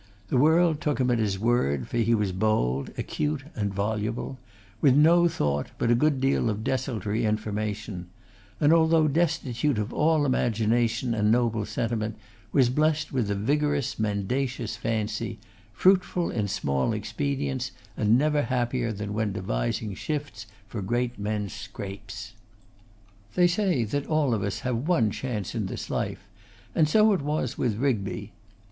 The world took him at his word, for he was bold, acute, and voluble; with no thought, but a good deal of desultory information; and though destitute of all imagination and noble sentiment, was blessed with a vigorous, mendacious fancy, fruitful in small expedients, and never happier than when devising shifts for great men's scrapes. They say that all of us have one chance in this life, and so it was with Rigby.